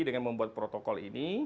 dengan membuat protokol ini